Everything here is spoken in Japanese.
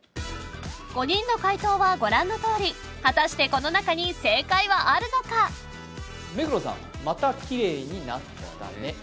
５人の解答はご覧のとおり果たしてこの中に正解はあるのか目黒さんまたキレイになったね